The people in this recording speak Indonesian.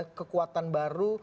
atau ada kekuatan baru